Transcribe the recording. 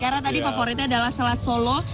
karena tadi favoritnya adalah selat solo